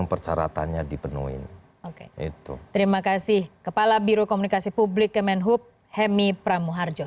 oke terima kasih kepala biro komunikasi publik kemenhub hemi pramuharjo